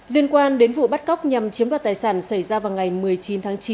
liên quan đến vụ bắt cóc nhằm chiếm đoạt tài sản xảy ra vào ngày một mươi chín tháng chín